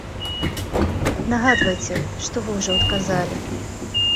Нагадвайце, што вы ўжо адказалі.